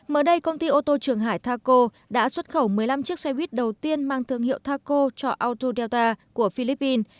mới đây công ty ô tô trường hải taco đã xuất khẩu một mươi năm chiếc xe buýt đầu tiên mang thương hiệu taco cho autodelta của philippines